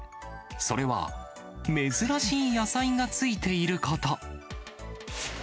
それは、珍しい野菜がついていること。